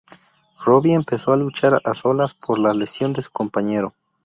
Robbie empezó a luchar a solas, por la lesión de su compañero.